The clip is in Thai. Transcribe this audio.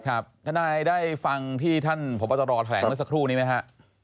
ทนายได้ฟังที่ท่านพบตรแถลงเมื่อสักครู่นี้ไหมฮะ